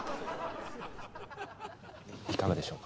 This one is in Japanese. いかがでしょうか？